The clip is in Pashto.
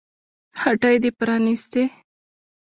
هټۍ دې پرانيستې